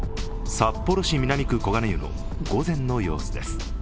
札幌市南区小金湯の午前の様子です。